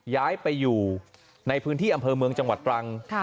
ย้ายไปอยู่ในพื้นที่อำเภอเมืองจังหวัดตรัง